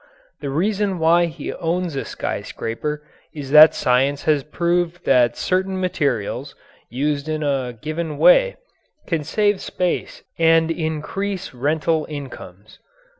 The reason why he owns a skyscraper is that science has proved that certain materials, used in a given way, can save space and increase rental incomes.